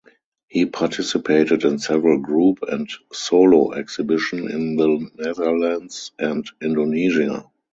He participated in several group and solo exhibition in the Netherlands and Indonesia.